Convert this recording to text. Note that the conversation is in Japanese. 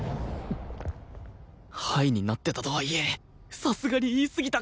ハイになってたとはいえさすがに言いすぎたか！？